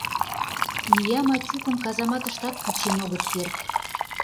Ия Мачукым казаматыштат кучен огыт керт!..